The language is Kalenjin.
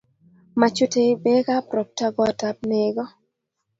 machutei beekab robta kootab nego